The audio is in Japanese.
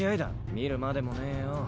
見るまでもねぇよ。